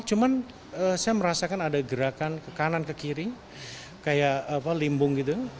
cuman saya merasakan ada gerakan ke kanan ke kiri kayak limbung gitu